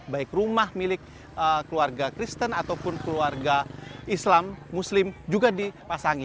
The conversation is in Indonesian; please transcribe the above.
baik rumah milik keluarga kristen ataupun keluarga islam muslim juga dipasangi